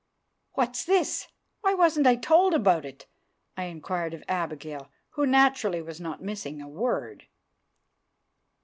"What's this? Why wasn't I told about it?" I inquired of Abigail, who, naturally, was not missing a word.